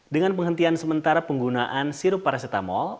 dengan penghentian sementara penggunaan sirup paracetamol